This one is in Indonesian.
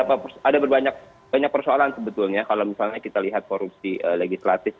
ada banyak persoalan sebetulnya kalau misalnya kita lihat korupsi legislatif